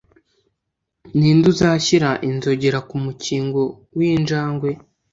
Ninde uzashyira inzogera ku mukingo w'injangwe?